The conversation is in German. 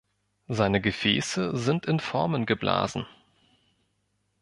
Seine Gefäße sind in Formen geblasen.